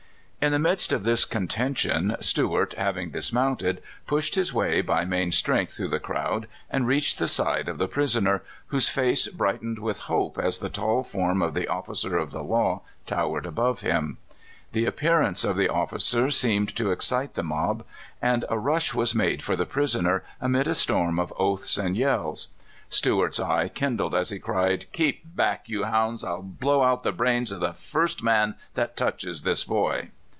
In the midst of this contention, Stuart, having dismounted, pushed his way by main strength throuij^h the crowd, and reached the side of the prisoner, whose face brightened with hope as the tall form of the officer of the law towered above him. The appearance of the officer seemed to excite 7 ^8 CALIFORNIA SKETCHES. the mob, and a rush was made for the prisoner, amid a storm of oaths and yells. Stuart's eye kindled as he cried: "Keep back, you hounds! I'll blow out the brains of the first man that touches this boy!